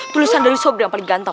tulisan dari sobri yang paling ganteng